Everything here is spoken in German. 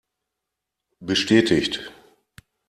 Bestätigt!